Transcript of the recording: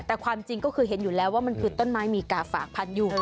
แต่ความจริงก็คือเห็นอยู่แล้วว่ามันคือต้นไม้มีกาฝากพันอยู่